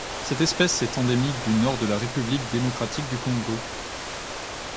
Cette espèce est endémique du Nord de la République démocratique du Congo.